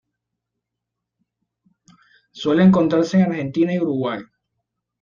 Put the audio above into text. Suele encontrarse en Argentina y Uruguay.